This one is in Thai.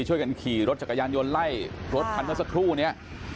ช่วยกันขี่รถจักรยานยนต์ไล่รถคันเมื่อสักครู่นี้